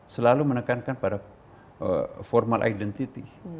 selalu menekankan pada formal identity